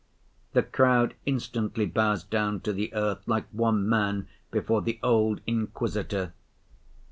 The crowd instantly bows down to the earth, like one man, before the old Inquisitor.